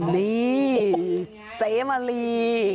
นี่เจ๊มะลี